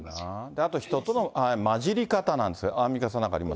あと人との交じり方なんですよ、アンミカさん、なんかありま